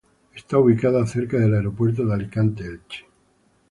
Está ubicada cerca del Aeropuerto de Alicante-Elche.